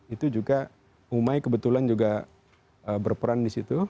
itu juga umai kebetulan juga berperan disitu